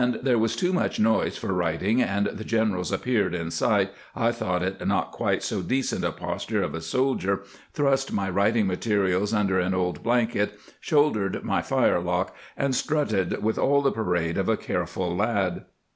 ■. there was too much noise for writing & the Generals appearing in sight I tho't it not quite so decent a Posture of a SOL DIER, thrust my writing materials under an old Blanket, Shouldered my firelock, and strutted with all the parade of a careful Lad."